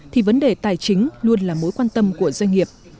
thì vấn đề tài chính luôn là mối quan tâm của doanh nghiệp